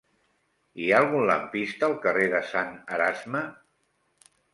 Hi ha algun lampista al carrer de Sant Erasme?